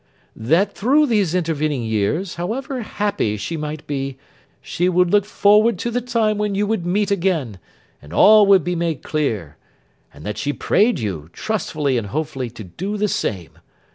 'That through these intervening years, however happy she might be, she would look forward to the time when you would meet again, and all would be made clear; and that she prayed you, trustfully and hopefully to do the same.